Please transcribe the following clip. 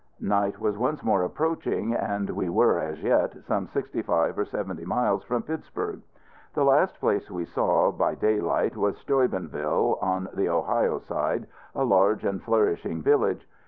Night was once more approaching, and we were, as yet, some sixty five or seventy miles from Pittsburg. The last place we saw, by daylight, was Steubenville, on the Ohio side, a large and flourishing village.